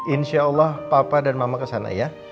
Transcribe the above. insya allah papa dan mama kesana ya